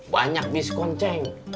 banyak biskons ceng